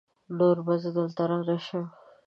نور به زه دلته رانشم!